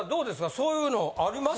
そういうのあります？